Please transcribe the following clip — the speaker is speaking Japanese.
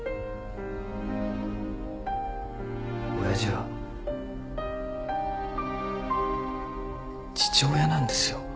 親父は父親なんですよ。